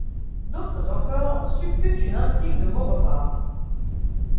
D’autres encore supputent une intrigue de Maurepas.